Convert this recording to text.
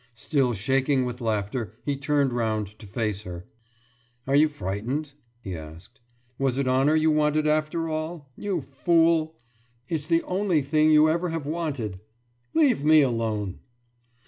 « Still shaking with laughter he turned round to face her. »Are you frightened?« he asked. »Was it honour you wanted after all? You fool! It's the only thing you ever have wanted! Leave me alone!